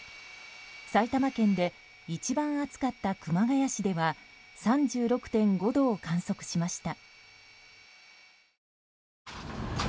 埼玉県で一番暑かった熊谷市では３６．５度を観測しました。